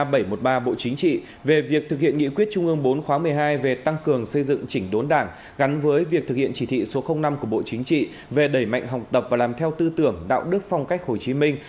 đoàn kiểm tra bảy trăm một mươi ba bộ chính trị về việc thực hiện nghị quyết trung ương bốn khóa một mươi hai về tăng cường xây dựng chỉnh đốn đảng gắn với việc thực hiện chỉ thị số năm của bộ chính trị về đẩy mạnh học tập và làm theo tư tưởng đạo đức phong cách hồ chí minh